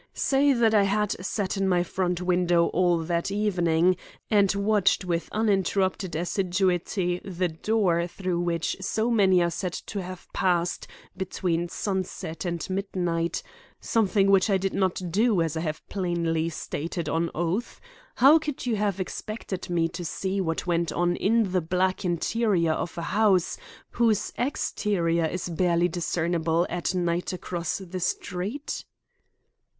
_ Say that I had sat in my front window all that evening, and watched with uninterrupted assiduity the door through which so many are said to have passed between sunset and midnight—something which I did not do, as I have plainly stated on oath—how could you have expected me to see what went on in the black interior of a house whose exterior is barely discernible at night across the street?"